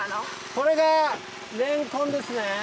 これがれんこんですね。